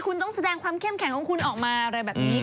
คุณต้องแสดงความเข้มแข็งของคุณออกมาอะไรแบบนี้